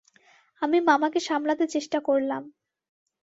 আমি মামাকে সামলাতে চেষ্টা করলাম।